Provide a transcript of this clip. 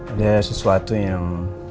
ada sesuatu yang